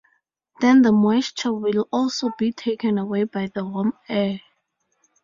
Then the moisture will also be taken away by the warm air.